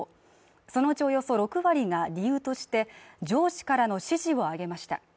そのうちおよそ６割が理由として、上司からの指示を挙げました。